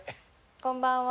こんばんは。